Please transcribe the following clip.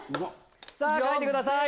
さぁ書いてください。